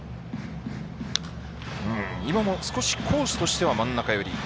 今も少しコースとしては真ん中寄り。